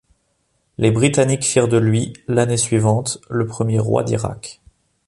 Les Britanniques firent de lui, l'année suivante, le premier roi d'Irak.